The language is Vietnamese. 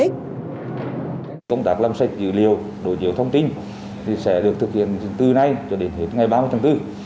công tác làm sạch dữ liệu đối chiếu thông tin sẽ được thực hiện từ nay cho đến hết ngày ba mươi tháng bốn